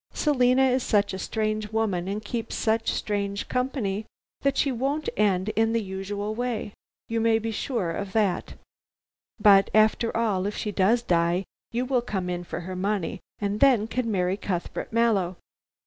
Selina is such a strange woman and keeps such strange company that she won't end in the usual way. You may be sure of that. But, after all, if she does die, you will come in for her money and then, can marry Cuthbert Mallow."